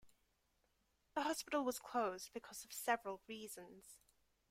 The hospital was closed because of several reasons.